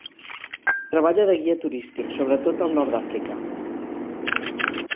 Treballa de guia turístic, sobretot al nord d'Àfrica.